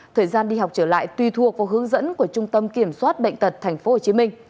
thời gian đi học trở lại tùy thuộc vào hướng dẫn của trung tâm kiểm soát bệnh tật tp hcm